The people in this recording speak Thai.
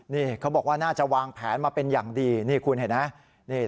นี่เขาบอกว่าน่าจะวางแผนมาเป็นอย่างดีนี่คุณเห็นไหม